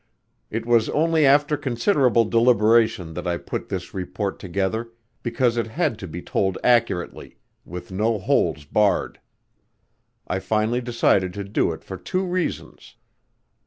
It was only after considerable deliberation that I put this report together, because it had to be told accurately, with no holds barred. I finally decided to do it for two reasons.